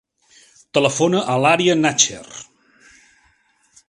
Telefona a l'Ària Nacher.